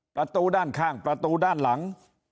ประตูด้านข้างประตูด้านหลัง